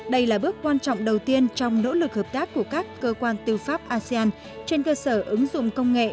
đây là bước quan trọng đầu tiên trong nỗ lực hợp tác của các cơ quan tư pháp asean trên cơ sở ứng dụng công nghệ